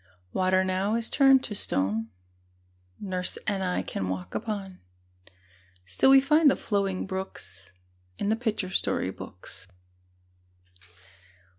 Water now is turned to stone Nurse and I can walk upon; Still we find the flowing brooks In the picture story books.